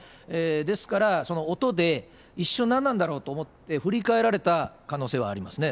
ですから、その音で一瞬何なんだろうと思って、振り返られた可能性はありますね。